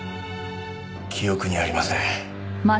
記憶にありません。